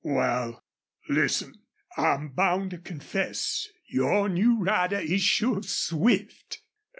"Wal, listen. I'm bound to confess your new rider is sure swift.